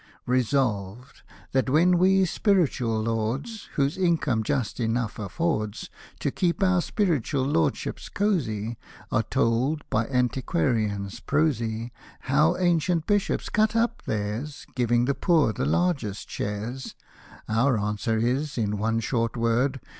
Resolved, that when we, Spiritual Lords, Whose income just enough affords To keep our Spiritual Lordships cozy, Are told, by Antiquarians prosy, How ancient Bishops cut up theirs, Giving the poor the largest shares — Our answer is, in one short word.